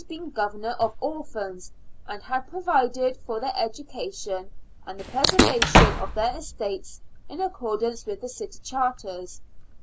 97 been governor of orphans, and had provided for their education and the preservation of their estates in accordance with the city charters.